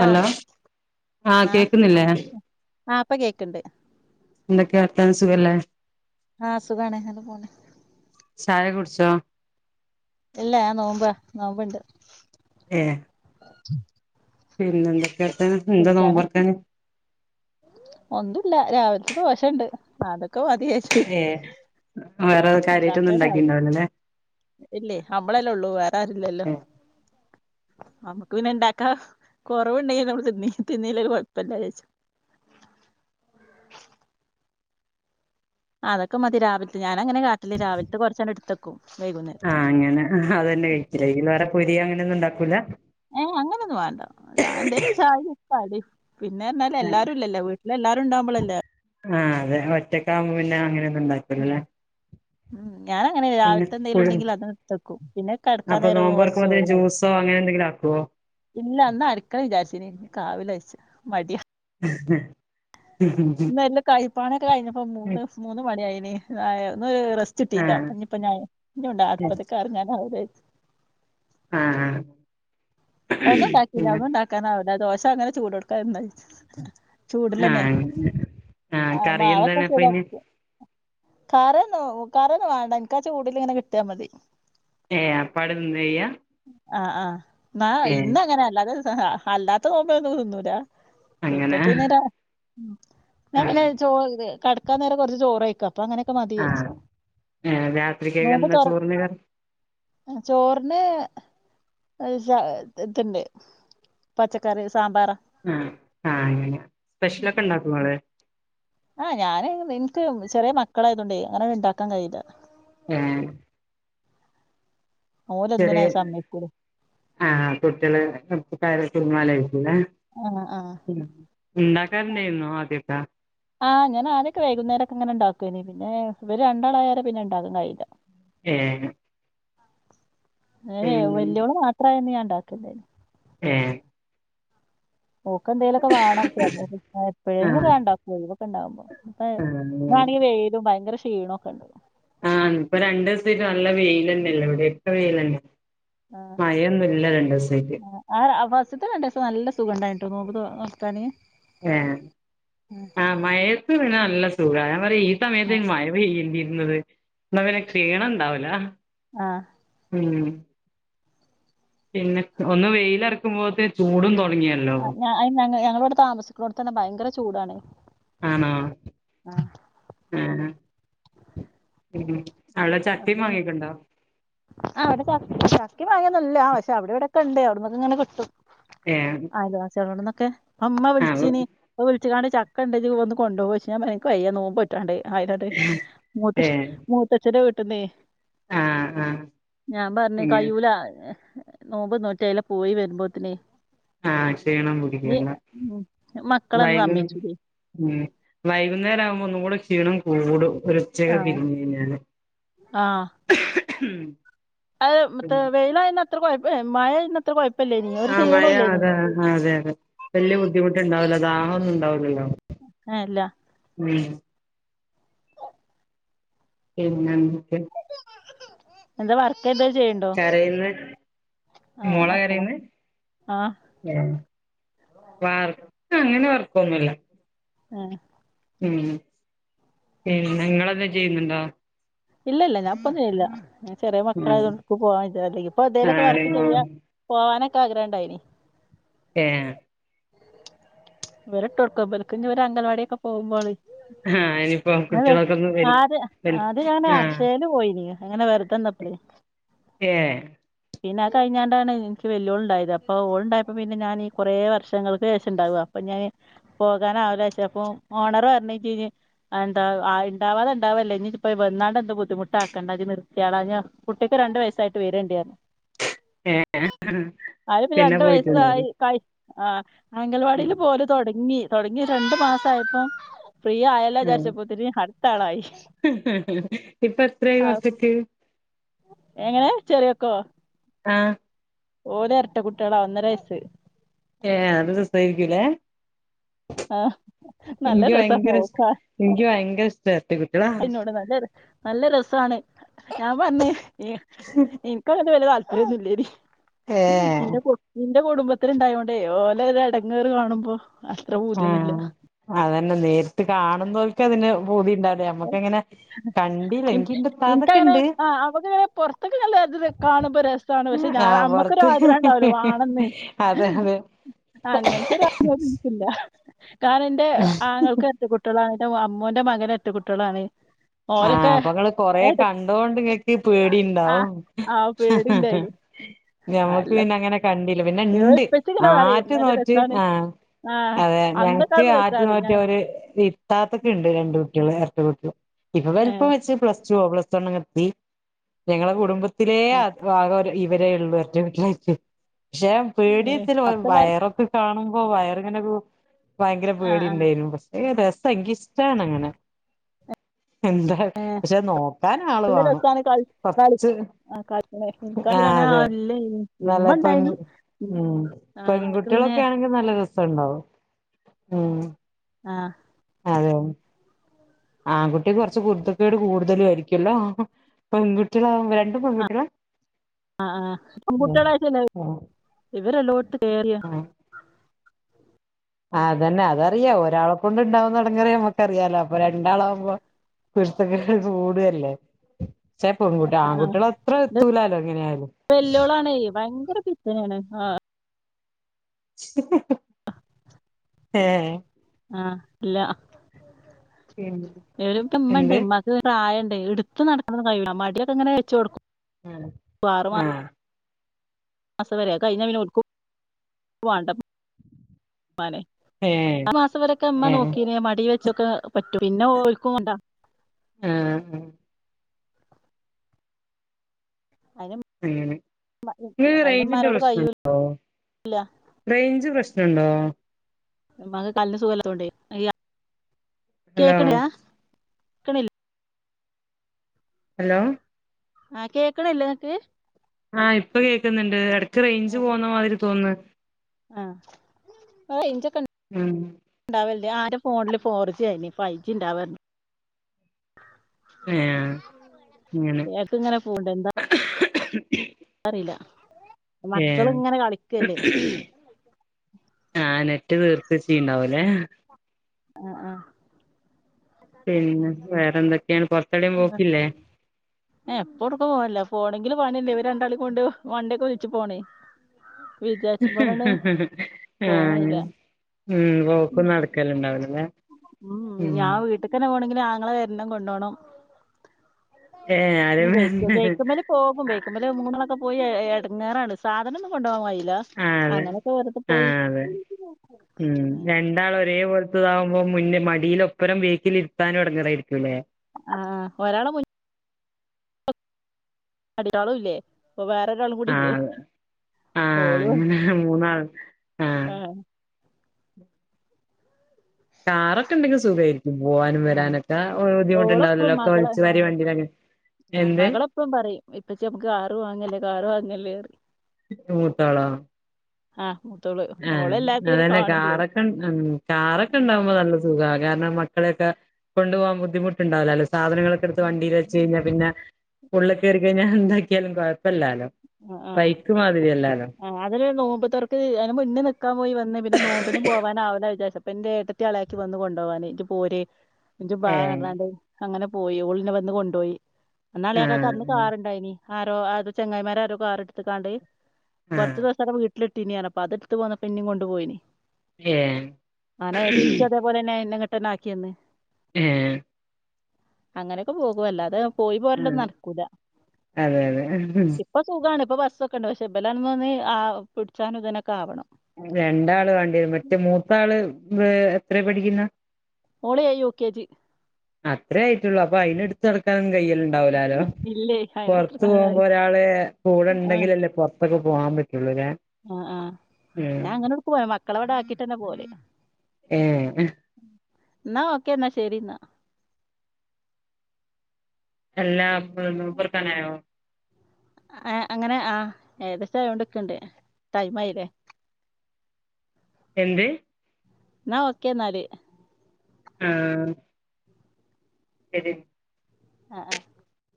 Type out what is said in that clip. Hello ആ ആഹ് കേക്കുന്നില്ലേ ആഹ് ഇപ്പൊ കേക്ക്ണ്ട് എന്തൊക്ക വർത്താനം സുഖല്ലേ ആ സുഖാണ് അങ്ങനെ പോണു ച്ചോ ഇല്ല ഞാൻ നോമ്പ നോമ്പ്ണ്ട് പിന്നെന്ത കുടിക്കാനൊക്കെ ഒന്നുല്ല രാവിലത്തെ ദോശണ്ട് അത്ക്ക് ഓ അതെ ഏഹ് വേറെ [unintelligible] കാര്യായിട്ടൊന്നും ഇണ്ടാക്കാനാവൂല ഉണ്ടാക്കിണ്ടാവില്ലല്ലേ ഇല്ലേ നമ്മളല്ലേ ഉള്ളൂ വേറാരുല്ലല്ലോ നമുക്ക് പിന്നെ ഇണ്ടാക്കാ കൊറേവുണ്ടാകിനമ്മച്ച് നീ തിന്നീല്ലൊരു കൊഴപ്പല്ല ന്നെച്ചു അതൊക്കെ മതി രാവിലത്തെ ഞാനങ്ങനെ കാ ട്ട്ലേ രാവിൽത്തെ കൊറച്ചാണ്ട് ഇട്ത്തെക്കും ആ അങ്ങനെ അതെന്നെ കഴിക്കല് വേറെ പൊരി അങ്ങനെ നൊന്നും ണ്ടാക്കൂല ഏ അങ്ങനൊന്നും വേണ്ട ഞാൻ എന്തേലു ചായേം കടിം പിന്നെ ർഞ്ഞാല് എല്ലാരും ഇല്ലല്ലോ വീട്ടില് എല്ലാരും ഉണ്ടാകുമ്പളല്ലേ ആ അതെ ഒറ്റക്കാവുമ്പോ പിന്നെ അങ്ങനെ മ് ഞാനങ്ങനല്ല പിന്നെ രാവിലത്തെ എന്തേലും കുഴു ഇണ്ടെങ്കിൽ അതങ്ങട്തക്കും പിന്നെ കടക്കാൻ അപ്പൊ നേരവുമ്പൊ നോമ്പ് കൊറച്ച് തൊറക്കുമ്പോത്തിന് ചോറ് കഴിക്കും ജ്യൂസോ അങ്ങനെ എന്തെങ്കിലും ആക്കുവോ ഇല്ല അട്ക്കണം വിചാരിച്ചീന്ന് ഇന്ക് ആവൂല ജാരിച്ച് മടിയാ ഇന്ന് നല്ല കൈപണിയൊക്കെ കയ്ഞ്ഞപ്പോ മൂന്ന് മൂന്ന് മണിയായി [unintelligible] ഇന്ന് ഒരു റെസ്റ്റ് കിട്ടില്ല അപ്പൊ ആഹ് ഇഞ്ഞിപ്പോ ഞാന് ഇന്നെകൊണ്ട് അട്പത്ത്ക്ക് എറങ്ങാനാവൂലാന്നര്തി ആഹ് ഒന്നും ണ്ടാക്കില്ല പിന്നെ ഒന്നുംണ്ടാക്കാനാവു ല ദോശ അങ്ങനെ ചൂടോട്ക്കെ [unintelligible] ജ്യാര്ച് ആ അങ്ങ കറി എന്താണ് പ്പ അയ്ന് കറിഒന്നു കറിഒന്നു വാണ്ട എൻക്കാ ചൂടില് ങ്ങനെ കിട്ടിയാ മതി ഏ അപ്പാട് തിന്ന് എയ്യ അ ആ ന്നാ ഇന്ന അങ്ങനെ അല്ലാത്ത ദിസ് അല്ലാത്ത ന്നോമ്പിനൊന്നും തിന്നൂല ഇപ്പ അങ്ങനെ പിന്നെ രാ ഞാ ആ പിന്നെ ചോർ ന്ന് കട് ക്കാ നേരം കൊർച് ചോറെയ്ക്കാ ആ ഏ രാത്രികേക്ക് എന്ന ചോർന് ചോർന് [unintelligible] [unintelligible] ഇണ്ട് പച്ചക്കറീസ് ആ ആ അങ്ങനെ സ്പെഷ്യല്ഒക്കെ ഉം. ഇണ്ടാക്കുഓ ങ്ങള് ആ ഞാന് എൻക്ക് ചെറീ മക്കളായതൊണ്ട് അങ്ങനൊന്നും ഇണ്ടാക്കാം കയൂല ഏ ചെറിയെ ഓലൊന്നിനായി സമ്മതിക്കൂല ആ കുട്ടിഎള് മ് [unintelligible] ആ ആഅ ഉണ്ടാക്കാറുണ്ടായിരുന്നോ ആദ്യൊക്കെ ആ ഞാൻ ആദ്യൊക്കെ വൈകുന്നേരൊക്കെ ങ്ങനെ ണ്ടാക് കുഏനി പിന്നെ ഇവര് രണ്ടാള് ആയാരെ പിന്നെ ഇണ്ടാക്കാ കയ്യൂല [unintelligible] പിന്നെ വെല്ല്യോള് മാത്രായന്ന് [unintelligible] ണ്ടാക്കിയന്നേനി ഏ ഓക്ക് എന്തേലൊക്കെ വാണം [unintelligible] ആ എപ്പഴെങ്കിലുക്കെ ഞാ ഉണ്ടാക്കുഒള്ളു ക്ക ണ്ടാഉമ്പം ഹേ ആ ന്നാണെ വെയിലും ഭയങ്കര ഷ് ക്ഷീണൊക്കെ ണ്ട്ന്ന് ആന്ന് ഇപ്പ രണ്ട് സ് ആയ്ട്ട് ന്നല്ല വെയിൽലെന്നെല്ലേ ഇവിടൊക്കെ വെയിലെന്നെ ആ അ ആ ഫസ്റ്റത്തെ രണ്ടുസം ന്നല്ല സുഖണ്ടായ്ന് നോമ്പ് തൊ [unintelligible] ആ മഴയത്ത് വിടെ നല്ല സ് ചൂടായ പറീ ഈസമയത്തേനി മഴ പെയ്യണ്ടീന്ന് [unintelligible] എന്ന പിന്നെ ക്ഷീണം ഉണ്ടാവുല ആ ഉം പിന്നെ ഒന്ന് വെയിലിറക്കുമ്പോത്തെ ചൂടും തോന്ന ഞ ഞങ്ങളോട് താമസിക്കോ തന്നെ ഭയങ്കര ചൂടാണ് ആണോ ആ ആ ഉം ഉം അന്നെ അവിടെ ചി ചക്കേം മാങ്ങന്നല്ല പക്ഷെ അവിടെ ഇവിടൊക്കെ ഉണ്ട് അങ്ങെന കിട്ടും ഏഹ് അയൽവാസികളോടെ ക്കെ അമ്മ ആഹ് വിളിച്ചീനി വിളിച്ചിക്കാണ്ട് ച കണ്ടേക്ക് പോ വന്ന് കൊണ്ട് പോയി പ ഞാനക്ക്യ്യൻോ നോപോറ്റാണ്ണ്ട് ആയിനണ്ട് മൂത്ത ഏഹ് മൂത്തച്ഛരെ വീട്ടിന്നേ ആഹ് ആഹ് ഞാൻ പറഞ്ഞേ ഇങ്ങ കഴൂല നോമ്പ് നൂറ്റല പോയി വരുമ്പോത്തിനെ ആ ചെയ്യണം നീ കുടിക്കല്ല ഉം മക്കളെന്നെ വൈക സമ്മയ്ച്ചൂലെ വൈകുന്നേരം ആവുമ്പോ ഒന്നും കൂടെ ക്ഷീണം കൂടും ഒരു ഉച്ചക്കെ ആഹ് പിരിഞ്ഞയിഞ്ഞാല് ഉം [unintelligible] വെയില അത്ര കുഴപ്പല്ല മഴ അത്ര കുഴ ആ മഴ അതെ അതെ അതെ വല്യ ബുദ്ധിമുട്ടണ്ടാവല ദാഹം ഒന്നും ഉണ്ടാവില്ലല്ലോ ആഹല്ല ഉം പിന്നെന്താ എന്താ വാർ കരയന്ന് ആഹ് മോളെ മക്കളാ കരന്ന് ആഹ് വർക്ക് അങ്ങനെ വർക്കൊന്നുല്ല ആ ഉം പിന്നെ ഇങ്ങളെ എന്താ ചെയ്യുന്നുണ്ടോ ഇല്ല ഇല്ല ഞാൻ ഇപ്പൊ ചെയ്യുന്നില്ല ചെറിയ ഉം മക്കളായത്ക്ക് പോവാ ഇപ്പോ ഇന്തേലൊക്കെ ആഹ് വർക്ക് ചെയ്യാ പോവാനൊക്കെ ഇന്ക് ആഗ്രഹണ്ടായിനി. എ ഹ് ഇവരെ ഇട്ടോട്ക്കാ ഇവർക്ക് ഇഞ് ഇവർ അംഗൻവാടി ഒക്കെ പോകുമ്പോ ആണ് ആഹ് ഇനിയിപ്പോ കുട്ടികളൊക്കെ ഒന്ന് വൽ ആദ്യം വൽ ആദ്യം ഞാൻ ആഹ് അക്ഷയേല് പോയിനി അങ്ങനെ വെർ തന്നപ്പേ ഏഹ് പിന്നെ ആ കഴിഞ്ഞാണ്ടാണ് എനിക്ക് വല്ല്യോൾ ഉണ്ടായത്. അപ്പോ ഓൾ ഉണ്ടായപ്പോ പിന്നെ ഞാൻ ഈ കുറെ വർഷങ്ങൾക്ക് ശേഷം ഇണ്ടാവാ. അപ്പൊ ഞാന് പോകാനാവൂലവെച്ച് അപ്പോ ഓണർ പറഞ് എന്താ ഉണ്ടാവാത ഇണ്ടാവല്ല ഇനി ഇപ്പം വന്നാണ്ട് എന്ത് ബുദ്ധിമുട്ടാക്കേണ്ട അത് നിർത്തിയാള കുട്ടിക്ക് രണ്ടു വയസ്സായിട്ട് വരേണ്ടി പറഞ്ഞു. ഏ പിന്നെ രണ്ട് വയസ്സായി പോയിട്ടുണ്ടാവൂല. കഴി ആഹ് അംഗൽവാടിലും തുടങ്ങി തുടങ്ങി രണ്ട് മാസായപ്പം ഫ്രീ ആയല്ലോ വിചാരിച്ചപ്പോത്തിന് ക അടുത്ത ആളായി. ഇപ്പോയത്രായി ആഹ് മക്കക്ക്. എങ്ങനെ ചെറിയൊക്കോ? ആഹ് ഓൽ ഇരട്ട കുട്ടികളാ ഒന്നര വയസ്സ്. ഏ അത് രസായിരിക്കും ല്ലേ. ആഹ് നല്ല എനിക്ക് രസാ ഭയങ്കര ഇഷ് എനിക്ക് ഭയങ്കര ഇഷ്ട. പിന്നോട് നല്ല നല്ല രസാണ്. ഞാൻ പറഞ് ഇന്ക് അങ്ങനെ വലിയ താൽ ര്യന്നും ഇല്ലേടി ഏഹ് ഇന്റെ കുട്ടിം എന്റെ കുടുംബത്തിൽ ഉണ്ടായോണ്ടേ ഓലെ ഒരു എടങ്ങേറ് കാണുമ്പോ അത്ര പൂതിയൊന്നും ഇല്ല തന്നെ നേരിട്ട് കാണുന്നോർക്ക് അതിന്റെ പൂതി ഉണ്ടാവില്ല നമ്മക്കങ്ങനെ കണ്ടില്ല എനിക്ക് ഇന്റെ ഇന്ക് അങ്ങനെ ഇത്താത്തക്ക്ണ്ട് ആ അമ്മക്ക്ങ്ങനെ പൊറത്തൊക്കെ നല്ല ഇത് കാണുമ്പൊ രസമാണ് പക്ഷെ ഞാൻ ആഹ് അമ്മക്കൊരു പൊറത്ത് ആഗ്രഹം ഒണ്ടാവലോ വാണെന്ന് അതെ അതെ അങ്ങനത്തൊരു ആഗ്രഹംനിക്കില്ല കാരണം ന്റെ ആങ്ങൾക്ക് ഇരട്ട കുട്ടികളാ അമ്മോന്റെ മകന് ഇരട്ട കുട്ടികളാണ് ആഹ് ഓലൊക്കെ അപ്പൊങ്ങള് കൊറെ എട- കണ്ടോണ്ട് ഇങ്ങക്ക് ആ പേടിണ്ടാവും ആ പേടിണ്ടായിന് ഞമ്മക്ക് അല്ല പിന്നെ അങ്ങനെ കണ്ടി ണ്ടില്ല പിന്നെ ഇവ ഇണ്ട് ഇപ്പച്ചിങ്ങനെ പറയും ആറ്റ് നല്ല നോറ്റ് രസാണ് ആ ആ അതെ അന്നൊക്കെ ഞങ്ങക്ക് ആവുമ്പോ ആറ്റ് രസാണ് നോറ്റ് ഞാൻ അവര് ഇത്താത്തക്ക് ണ്ട് രണ്ട് കുട്ടികള് ഇരട്ട [unintelligible] ഇപ്പൊ ഏ വലിപ്പം വെച്ച് പ്ലസ് ടുവോ പ്ലസ് വൺ അങ്ങെത്തി ഞങ്ങളെ കുടുംബത്തിലെ ആകെ ഇവരെ ള്ളു ഇരട്ടകുട്ടികളായിട്ട് പക്ഷെ ഏ പേടിയത്തില്ല അപ്പല്ലാരും വയറൊക്കെ കാണുമ്പോ വയറിങ്ങനെ രു ഭയങ്കര ആ പേടി ആ ഇണ്ടായിന്നു പക്ഷെ രസ എനികിഷ്ടാണ് അങ്ങനെ എന്താ പക്ഷെ നോക്കാനാള് നല്ല വേണം രസാണ് കളി കൊറച്ച് കളിക്കണേ ആ ഇൻക്കാണെങ്കില് അങ്ങനെ അതെ ആരുല്ല നല്ല ഇമ്മ പെൺ ഇണ്ടായിനി ഉം ആ ഇമ്മക്ക് പിന്നെ പെൺകുട്ടികളൊക്കെ ആണെങ്കി നല്ല രസംണ്ടാവും ഉം ആഹ് അതേയോ ആൺകുട്ടി കൊറച്ച് കുരുത്തകേട് കൂടുതലും ആയിരിക്കുല്ലോ പെൺകുട്ടികളാവു രണ്ടും പെൺകുട്ടികളാ ആഹ് ആഹ് പെൺ ഉം കുട്ടികളായിട്ട ന്നേ ഉം ഇവരെല്ലോത്ത് കേറിയാ ആ അതന്നെ അതറിയാ ഒരാളെ കൊണ്ട് ഇണ്ടാവുന്നടങ്ങേറ് ഞമ്മക്കറിയാലോ അപ്പൊ രണ്ടാളാവുമ്പോ കുരുത്തകേട് കൂടുവല്ലേ ചേ പെൺകുട്ടി ആ ആൺകുട്ടിളടെ അത്ര എത്തൂലാലോ എങ്ങനെയാലും ങ്കര പിത്തനാണ് ആഹ് [inaudible] ആഹ് ഏ ആ ഇല്ല ഇവിടെ പ്പ ഉമ്മ ഇണ്ട് എന്ത് ഉമ്മാക്ക് വേറെ ആയണ്ട് ഇടുത്ത് നടക്കണംന്ന് കഴിയൂല മടിയൊക്കെങ്ങനെ വെച്ച് കൊടുക്കും ഉം ആ മാസവരെ അത്കഴിഞ്ഞ പിന്നെ എവടെക്ക [unintelligible] വാണ്ട മ്മാനെ ഏഹ് ആ മാസം വരൊക്കെ ഉമ്മ ഏഹ് നോക്കീനേ മടി വെ ച്ചൊക്കെ പറ്റും പിന്നെ ഓല്ക്കുംണ്ടാ ആ ആ അയിന് അങ്ങനെ നിങ്ങക്ക് അയിന് റേഞ്ചിന്റെ ഇമ്മാനോട് കഴിയൂല പ്രശ്നുണ്ടോ റേഞ്ച് പ്രശ്നുണ്ടോ മ്മക്ക് കാലിന് സുഖല്ലത്തോണ്ടെ യാ ഹലോ ക്ക്ണില്ലേ ഹലോ ആ കേക്ക്ണില്ല ഇങ്ങക്ക് ആ ഇപ്പൊ കേക്കുന്നുണ്ട് ഇട റേഞ്ച് പോവുന്ന മാതിരി തോന്നുന്ന് ആ റേഞ്ചൊക്കെ ഉം ണ്ടാവില്ല്യ ആന്റെ ഫോണില് ഫോർ ജി ആയിരുന്ന് ഫൈവ് ജി ഉണ്ടാവാർന്നു ഏഹ് അങ്ങനെ ഇങ്ങോട്ട് ഇങ്ങനെ പോണ്ട് എന്താ അറിയില്ല മക്കള് ഏഹ് ഇങ്ങനെ കളിക്കല്ലേ ആ നെറ്റ് തീർത്തച്ചീണ്ടാവു ലേ ആ ആ പിന്നെ വേറെന്തൊക്കെയാണ് പൊറത്തെവിടേം പോക്കില്ലേ ഏ ഇപ്പോടുക്കും പോവല്ല പോ [unintelligible] ഇവരെ രണ്ടാളി കൊണ്ട് വണ്ടിയൊക്കെ വിളിച്ചു പോണേ വിചാരിച്ചും പോലാണ് ആ പോവാനില്ല ഉ പോക്കും നടക്കല് ഉണ്ടാവില്ല ഉം ഞാ വീട്ടിക്കന്നെ പോണങ്കിൽ ഇന്റെ ആങ്ങള വരണം കൊണ്ടോണം ഏഹ് ആരേം ആഹ് ബൈക്കുമല് പോകും ബൈക്കുമല് മൂന്നാളു പോയി ഇടങ്ങേറാണ് സാധന ഒന്ന് കൊണ്ടുപോവാൻ കഴി ആ അതെ ആ അതെ ഉം രണ്ടാൾ ഒരേപോലെ ത്തതാകുമ്പോ മുന്നേ മടിയിലൊപ്പരം വേക്കിലിരുത്താനും എടങ്ങേറായിരിക്കും അല്ലേ? ആഹ് ഒരാളെ മു അടിയാളും ഇല്ലേ അപ്പൊ വേറൊരാളും കൂടി ആ ഇല്ലേ ആ ഓളും അങ്ങനെ മൂന്നാള് ആ ആഹ് കാറൊക്കെ എണ്ടെങ്കിൽ സുഖായിരി ആ അ ഓളെപ്പളും ഒക്കെ മകള് വലിച്ചു ആ വാരി വണ്ടിയിലങ്ങ് ആ എന്ത് മകളെപ്പഴും പറയും ഉപ്പച്ചി നമുക്ക് കാറ് വാങ്ങ്കല്ലേ കാറ് വാങ്ങ്കല്ലേന്ന് മൂത്താളാ ആ ആ അതന്നെ കാറൊക്കെൺ ഇം കാറൊക്കെ ഇണ്ടാവുമ്പോ നല്ല സുഖാ കാരണം മക്കളെയൊക്ക കൊണ്ടു പോവാൻ ബുദ്ധിമുട്ടുണ്ടാവില്ലല്ല സാധനങ്ങളൊക്കെ എടുത്ത് വണ്ടീല് വെച്ച് കഴിഞ്ഞാ പിന്ന ഉള്ളക്ക് കയറി കഴിഞ്ഞാ എന്തായി [unintelligible] കൊയപ്പല്ലാലോ ആ ആഹ് ആ അതില് നോമ്പ് തൊർക്ക് മുന്ന് നിക്കാൻ പോയി വന്ന് പിന്നെ നോമ്പിനു പോവാനാ വൂല വിചാരിച്ച അപ്പംൻ്റെ ഏട്ട ത്തി അളിയാക്കിം വന്ന് കൊണ്ടോവാന് ജ് പോര് ഇജ്ജ് ബാ ഏഹ് പർഞ്ഞാണ്ട് അങ്ങനെ പോയി ഓൾ ന്നെ വന്ന് കൊണ്ടോയി അന്ന് അളിയാകാക്ക് അന്ന് ആഹ് കാറ്ണ്ടായിനി ആരോ ആർദോ ചങ്ങായിമാരാ ര്‌തോ കാർ ഇട്ത്ത്ക്കാണ്ട് കുറച്ച് ആഹ് ദിവസം അവിടെ വീട്ടില് ട്ടിനി പറഞ്ഞു അപ്പ അത് ട്ത്ത് പോന്നപ്പ് ഇന്നിം കൊണ്ട് പോയിനി ഏഹ് ആനെ തിരിച്ചും അതേപോലെന്നെ ഇന്നെ ങ്ങട്ടന്നാക്കിയന്ന് ഏഹ് അങ്ങനെയൊക്കെ പോകും അല്ലാതെ പോയി ആഹ് പോരലൊന്നും നടക്കൂല അതെ അതെ ഇപ്പൊ സുഖാണ് ഇപ്പ ബസ്സൊക്കെ ഉണ്ട് പക്ഷെ ബലൊന്നും [unintelligible] ആ പിടിച്ചാനും ഇതിനൊക്കെ ആവണം രണ്ടാള് വാണ്ടി വരും മറ്റേ മൂത്താള് എത്രേ പഠിക്കുന്നത് ഓള് ഏ യൂ കെ ജി അത്രേ ആയിട്ടുള്ളൂ അപ്പൊ അയിനെ ഇട്ത്ത് നടക്കാനൊ കയ്യല്ണ്ടാവൂലാലോ ഇല്ലേ പുറത്ത് പോകുമ്പോ അതിനെടുത്തിരിക്കാനായി ഒരാള് കൂടെ ആ ഉണ്ടെങ്കിലല്ലേ പൊറത്തൊക്കെ പോവാൻ പറ്റുള്ളൂ ല്ലേ ആ ആ ഞാൻ അങ്ങനെ ഒട്ക്കും [unintelligible] മക്കളെ ഇവിടെ ആക്കിട്ടന്നെ പോകല് ഏ ന്നാ ഓക്കേന്നാ ശരിന്നാ അല്ലാ നോമ്പറക്കാനായോ ഏ അങ്ങനെ ആഹ് ഏകദേശം ആയതോണ്ട്ക്ണ്ട് ടൈമായി ലേ എന്ത് ന്നാ ഓക്കേ ന്നാല് ആഹ് ശരി ആ ആ